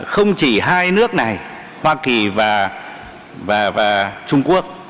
không chỉ hai nước này hoa kỳ và trung quốc